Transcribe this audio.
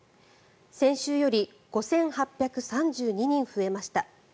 先週より５８３２人増えました。